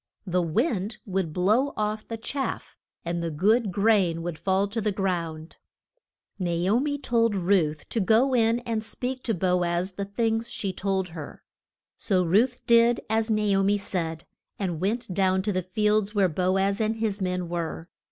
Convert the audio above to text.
The wind would blow off the chaff and the good grain would fall to the ground. [Illustration: BO AZ AND RUTH.] Na o mi told Ruth to go in and speak to Bo az the things she told her. So Ruth did as Na o mi said, and went down to the fields where Bo az and his men were.